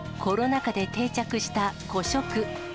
コロナ禍で定着した個食。